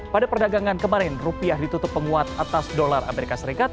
pada perdagangan kemarin rupiah ditutup penguat atas dolar amerika serikat